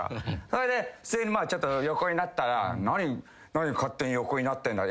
それでちょっと横になったら「何勝手に横になってんだ」